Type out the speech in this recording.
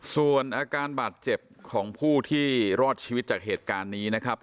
ส่วนอาการบาดเจ็บของผู้ที่รอดชีวิตจากเหตุการณ์นี้นะครับ